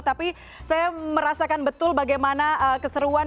tapi saya merasakan betul bagaimana keseruan